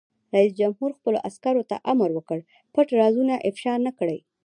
رئیس جمهور خپلو عسکرو ته امر وکړ؛ پټ رازونه افشا نه کړئ!